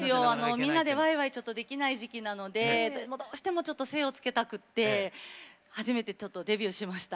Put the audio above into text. みんなでワイワイちょっとできない時期なのでどうしてもちょっと精をつけたくて初めてちょっとデビューしました。